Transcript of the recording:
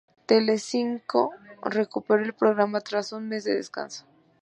Telecinco recuperó el programa tras un mes de descanso.